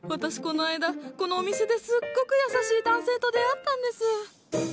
私この間このお店ですっごく優しい男性と出会ったんです。